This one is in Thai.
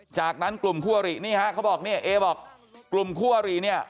จากนั้นกลุ่มคู่อรินี่ฮะเขาบอกเนี่ยเอบอกกลุ่มคู่อริเนี่ย